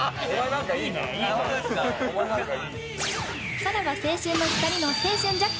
「さらば青春の光の青春ジャック」